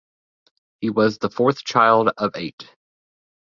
He was the fourth child of eight.